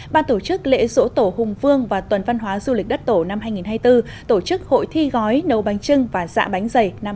ban tổ chức lễ dỗ tổ hùng vương và tuần văn hóa du lịch đất tổ năm hai nghìn hai mươi bốn tổ chức hội thi gói nấu bánh trưng và dạ bánh dày năm hai nghìn hai mươi bốn